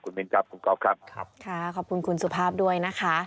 มินครับคุณก๊อฟครับครับค่ะขอบคุณคุณสุภาพด้วยนะคะ